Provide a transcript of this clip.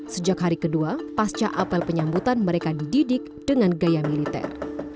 sejak hari kedua pasca apel penyambutan mereka dididik dengan gaya militer